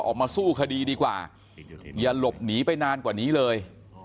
ออกมาสู้คดีดีกว่าอย่าหลบหนีไปนานกว่านี้เลย